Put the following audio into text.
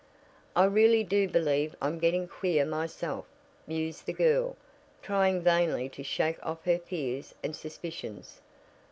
"I really do believe I'm getting queer myself," mused the girl, trying vainly to shake off her fears and suspicions.